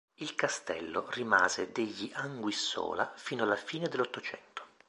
Il castello rimase degli Anguissola fino alla fine dell'Ottocento.